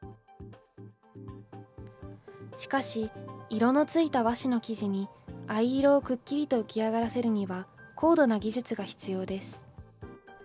色のついた和紙の生地に藍色をくっきりと浮き上がらせるには、高度な技術が必要です。